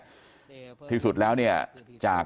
ก็คุณตามมาอยู่กรงกีฬาดครับ